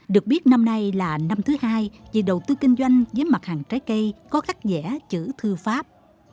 được biết năm nay là năm thứ hai vì đầu tư kinh doanh với mặt hàng trái cây có khắc dẻ chữ thư pháp